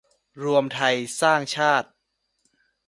รวมไทยสร้างชาติ